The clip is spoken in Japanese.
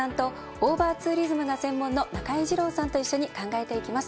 オーバーツーリズムが専門の中井治郎さんと一緒に考えていきます。